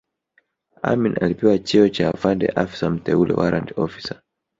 Amin alipewa cheo cha Afande Afisa Mteule warrant officer